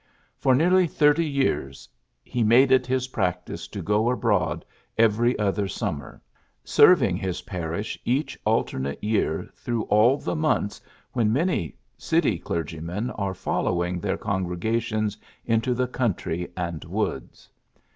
For nearly thirty years he made it his practice to go abroad every other summer, serving his parish each alternate year through all the months when many city clergy men are following their congregations into the country and woods.